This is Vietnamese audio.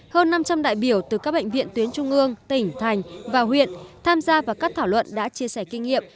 hơn năm trăm linh đại biểu từ các bệnh viện tuyến trung ương tỉnh thành và huyện tham gia vào các thảo luận đã chia sẻ kinh nghiệm